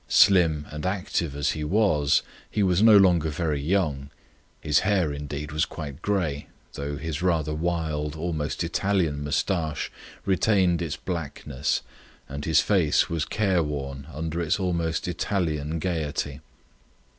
Slim and active as he was, he was no longer very young. His hair, indeed, was quite grey, though his rather wild almost Italian moustache retained its blackness, and his face was careworn under its almost Italian gaiety.